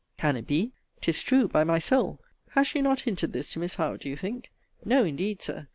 Can it be? 'Tis true, by my soul! Has she not hinted this to Miss Howe, do you think? No, indeed, Sir.